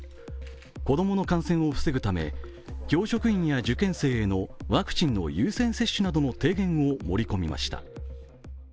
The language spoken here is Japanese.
子供の感染を防ぐため教職員や受験生へのワクチンの優先接種などの提言を盛り込みました。